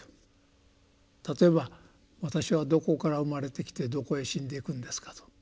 例えば「私はどこから生まれて来てどこへ死んでいくんですか」と。